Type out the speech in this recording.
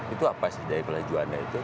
itu apa sih deklarasi juanda itu